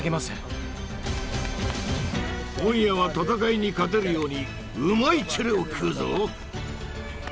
今夜は戦いに勝てるようにうまいチェレを食うぞ！